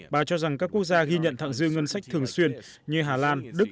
bà cho rằng các quốc gia ghi nhận thặng dư ngân sách thường xuyên như hà lan đức